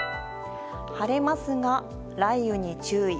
晴れますが、雷雨に注意。